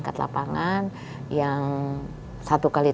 kita harus menjaga keberanian di wilayah lain